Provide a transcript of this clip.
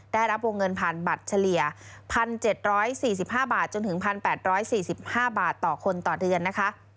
ได้รับวงเงินผ่านบัตรเฉลี่ย๑๗๔๕บาทจนถึง๑๘๔๕บาทต่อคนต่อเดือนนะคะ